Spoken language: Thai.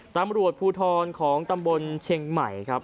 ตำรวจภูทรของตำบลเชียงใหม่ครับ